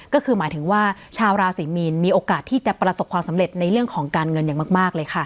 ก็คือหมายถึงว่าชาวราศรีมีนมีโอกาสที่จะประสบความสำเร็จในเรื่องของการเงินอย่างมากเลยค่ะ